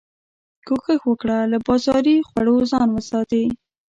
کوښښ وکړه له بازاري خوړو ځان وساتي